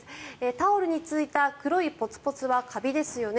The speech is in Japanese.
タオルについた黒いポツポツはカビですよね。